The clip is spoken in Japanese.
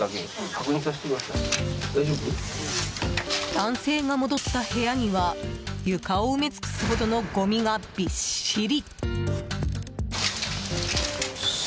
男性が戻った部屋には床を埋め尽くすほどのごみがびっしり。